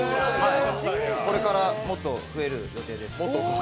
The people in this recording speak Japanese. これからもっと増える予定です。